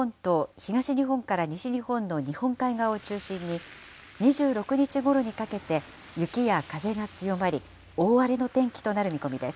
東日本から西日本の日本海側を中心に、２６日ごろにかけて雪や風が強まり、大荒れの天気となる見込みです。